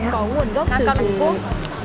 có nguồn gốc từ trung quốc